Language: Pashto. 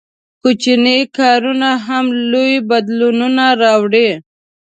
• کوچني کارونه هم لوی بدلونونه راوړي.